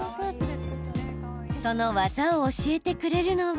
その技を教えてくれるのは。